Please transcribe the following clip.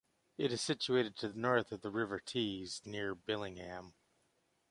It is situated to the north of the River Tees, near Billingham.